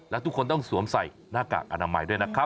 และทุกคนต้องสวมใส่หน้ากากอนามัยด้วยนะครับ